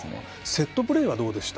セットプレーはどうでした？